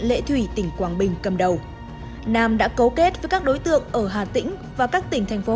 lệ thủy tỉnh quảng bình cầm đầu nam đã cấu kết với các đối tượng ở hà tĩnh và các tỉnh thành phố